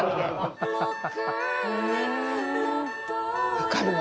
分かるわ。